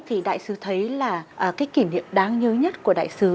thì đại sứ thấy là cái kỷ niệm đáng nhớ nhất của đại sứ